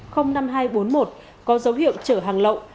có dấu hiệu trở hàng lộng